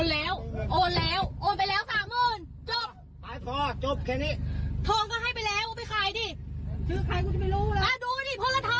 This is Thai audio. แล้วถ้าที่เข้าใครก็ไปมึงก็รู้ตัวอะไร